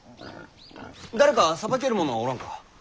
誰かさばける者はおらんか？